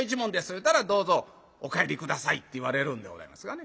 言うたら「どうぞお帰り下さい」って言われるんでございますがね。